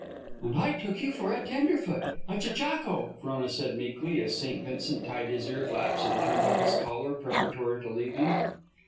"And I took you for a tenderfoot, a chechaquo," Frona said meekly, as St. Vincent tied his ear flaps and turned up his collar preparatory to leaving.